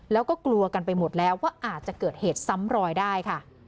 แล้วก็กลัวกันไปหมดแล้วว่าอาจจะเกิดเหตุซ้ำรอยได้ค่ะ